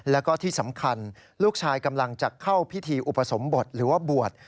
แล้วก็ที่สำคัญลูกชายกำลังจะเข้าพิธีอุปสมบทหรือว่าบวช